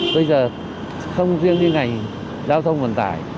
bây giờ không riêng như ngành giao thông vận tải